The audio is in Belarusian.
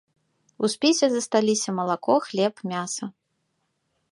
У спісе засталіся малако, хлеб, мяса.